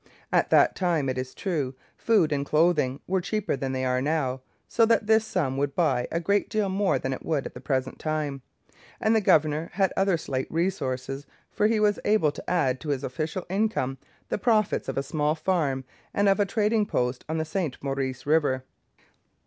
At that time, it is true, food and clothing were cheaper than they are now, so that this sum would buy a great deal more than it would at the present time; and the governor had other slight resources, for he was able to add to his official income the profits of a small farm and of a trading post on the St Maurice river.